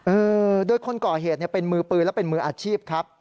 เออโดยคนก่อเหตุเนี่ยเป็นมือปืนและเป็นมืออาชีพครับ